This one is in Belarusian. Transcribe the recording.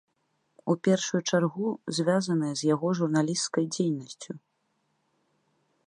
У першую чаргу звязаныя з яго журналісцкай дзейнасцю.